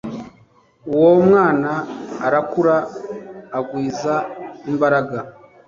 Uwo mwana arakura agwiza imbaraga